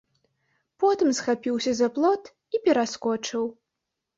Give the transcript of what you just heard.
Потым схапіўся за плот і пераскочыў.